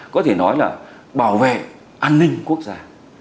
có thể nói là bảo vệ an ninh quốc gia